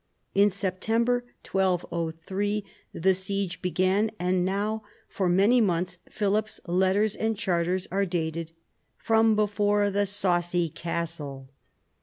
In September 1203 the siege began, and now for many months Philip's letters and charters are dated " from before the saucy castle."